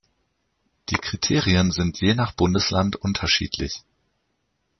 Die Kriterien sind je nach Bundesland unterschiedlich.